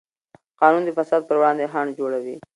قانون د فساد پر وړاندې خنډ جوړوي.